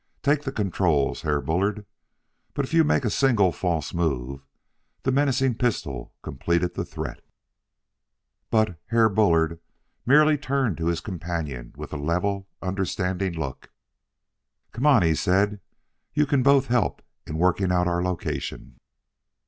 "Take the controls, Herr Bullard! But if you make a single false move!" The menacing pistol completed the threat. But "Herr Bullard" merely turned to his companion with a level, understanding look. "Come on," he said; "you can both help in working out our location."